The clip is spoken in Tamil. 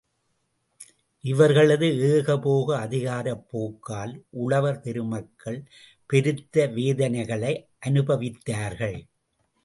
இவர்களது ஏகபோக அதிகாரப் போக்கால், உழவர் பெருமக்கள் பெருத்த வேதனைகளை அனுபவித்தார்கள்.